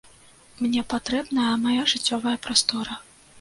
Мне патрэбная мая жыццёвая прастора.